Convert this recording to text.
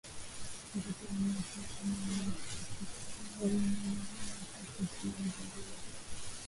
Mtoto wa mutu abamupatiaki buyi bwa moto kusio mzazi wake